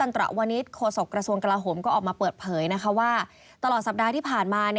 ตลอดสัปดาห์ที่ผ่านมา